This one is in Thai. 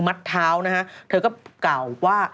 เท้านะฮะเธอก็กล่าวว่า